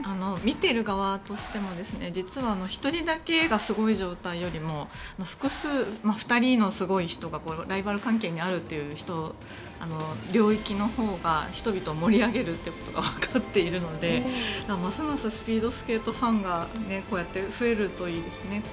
見ている側としても実は１人だけがすごい状態よりも複数、２人のすごい人がライバル関係にあるという領域のほうが人々を盛り上げるということがわかっているのでますますスピードスケートファンがこうやって増えるといいですね